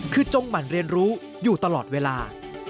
คือจงหมั่นเรียนรู้อยู่ตลอดเวลา